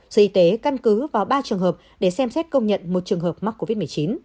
sở y tế căn cứ vào ba trường hợp để xem xét công nhận một trường hợp mắc covid một mươi chín